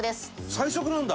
最速なんだ！